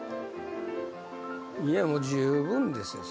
いやもう十分ですよ